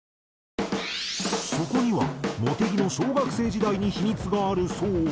そこには茂木の小学生時代に秘密があるそうで。